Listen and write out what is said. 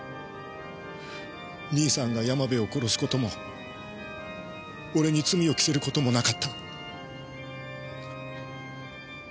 義兄さんが山辺を殺す事も俺に罪を着せる事もなかった。